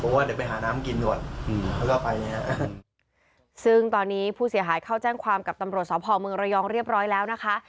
บอกว่าเดี๋ยวไปหาน้ำกินด้วยเขาก็ไปเนี่ยฮะซึ่งตอนนี้ผู้เสียหายเข้าแจ้งความกับตำรวจสอบห่อเมืองระยองเรียบร้อยแล้วนะคะ